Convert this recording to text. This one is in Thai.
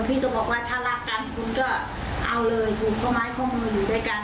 พี่ก็บอกว่าถ้ารักกันคุณก็เอาเลยผูกข้อไม้ข้อมืออยู่ด้วยกัน